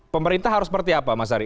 pemerintah harus seperti apa mas ari